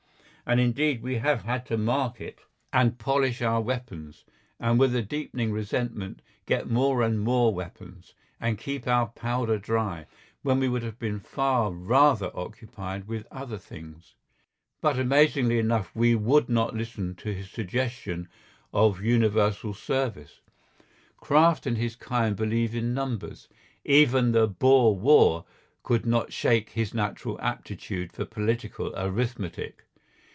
And indeed we have had to mark it and polish our weapons, and with a deepening resentment get more and more weapons, and keep our powder dry, when we would have been far rather occupied with other things. But amazingly enough we would not listen to his suggestion of universal service. Kraft and his kind believe in numbers. Even the Boer War could not shake his natural aptitude for political arithmetic.